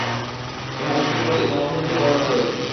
এ হাদীসটি কেবল ইমাম আহমদই বর্ণনা করেছেন।